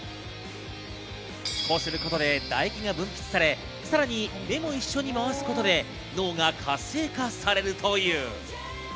こうすることで唾液が分泌され、さらに目も一緒に回すことで脳が活性化されるという。